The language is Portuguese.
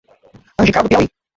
Angical do Piauí